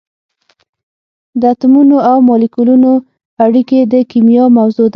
د اتمونو او مالیکولونو اړیکې د کېمیا موضوع ده.